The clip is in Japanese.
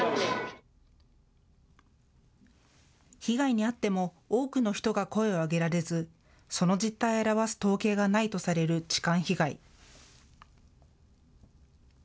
被害に遭っても多くの人が声を上げられず、その実態を表す統計がないとされる痴漢被害。